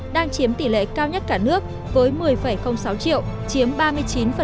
đang chiếm tỷ lệ cao nhất cả nước với một mươi sáu triệu chiếm ba mươi chín